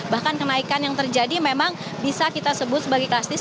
bahkan kenaikan yang terjadi memang bisa kita sebut sebagai klastis